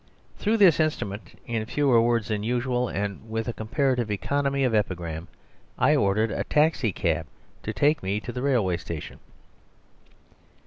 Through this instrument, in fewer words than usual, and with a comparative economy of epigram, I ordered a taxi cab to take me to the railway station.